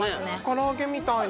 唐揚げみたいの。